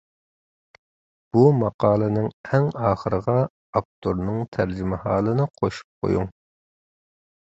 بۇ ماقالىنىڭ ئەڭ ئاخىرىغا ئاپتورنىڭ تەرجىمىھالىنى قوشۇپ قويۇڭ.